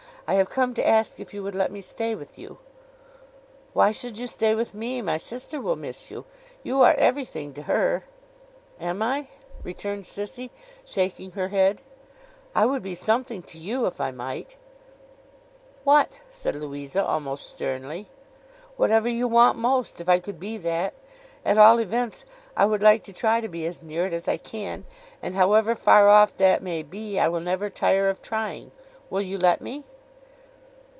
I have come to ask if you would let me stay with you?' 'Why should you stay with me? My sister will miss you. You are everything to her.' 'Am I?' returned Sissy, shaking her head. 'I would be something to you, if I might.' 'What?' said Louisa, almost sternly. 'Whatever you want most, if I could be that. At all events, I would like to try to be as near it as I can. And however far off that may be, I will never tire of trying. Will you let me?